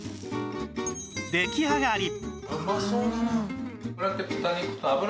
出来上がり！